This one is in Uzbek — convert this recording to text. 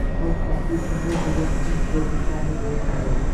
xalq ongi uchun bu so‘zlar muhim tuzatuvchi omil bo‘lib yangradi